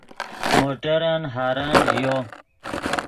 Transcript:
موٹرن ہارن ژیو